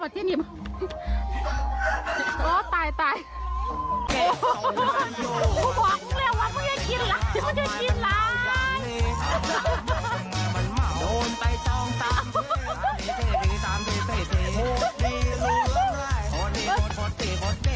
ขออนุญาตครับ